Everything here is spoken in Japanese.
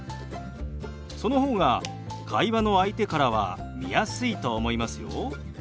その方が会話の相手からは見やすいと思いますよ。